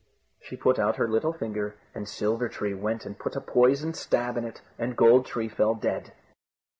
She put out her little finger, and Silver tree went and put a poisoned stab in it, and Gold tree fell dead.